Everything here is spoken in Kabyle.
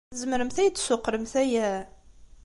Tzemremt ad iyi-d-tessuqqlemt aya?